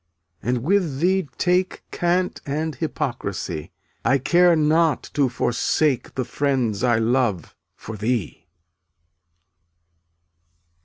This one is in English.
and with thee take Cant and hypocrisy; I care not to forsake The friends I love, for thee.